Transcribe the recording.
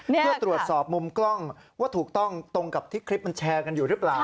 เพื่อตรวจสอบมุมกล้องว่าถูกต้องตรงกับที่คลิปมันแชร์กันอยู่หรือเปล่า